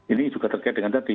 ini juga terkait dengan tadi